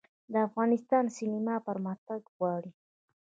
د افغانستان سینما پرمختګ غواړي